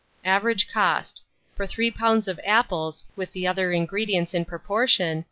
Average cost, for 3 lbs. of apples, with the other ingredients in proportion, 2s.